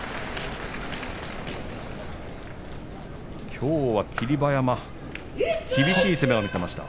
きょうは霧馬山厳しい攻めを見せました。